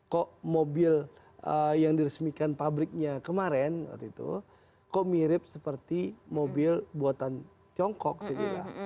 kok mobil yang diresmikan pabriknya kemarin waktu itu kok mirip seperti mobil buatan tiongkok saya kira